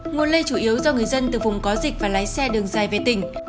nguồn lây chủ yếu do người dân từ vùng có dịch và lái xe đường dài về tỉnh